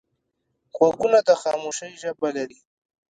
غوږونه د خاموشۍ ژبه لري